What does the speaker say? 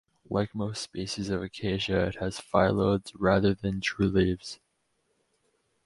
Like most species of "Acacia" it has phyllodes rather than true leaves.